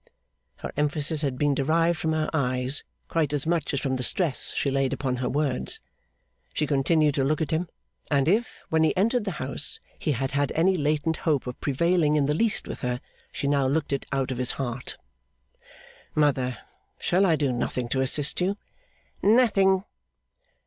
Her emphasis had been derived from her eyes quite as much as from the stress she laid upon her words. She continued to look at him; and if, when he entered the house, he had had any latent hope of prevailing in the least with her, she now looked it out of his heart. 'Mother, shall I do nothing to assist you?' 'Nothing.